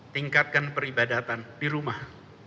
tingkatkan peribadatan di rumah